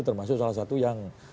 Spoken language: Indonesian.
termasuk salah satu yang